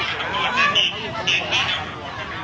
การประตูกรมทหารที่สิบเอ็ดเป็นภาพสดขนาดนี้นะครับ